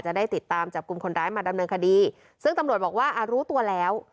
จะได้ติดตามจับกลุ่มคนร้ายมาดำเนินคดีซึ่งตำรวจบอกว่าอ่ารู้ตัวแล้ว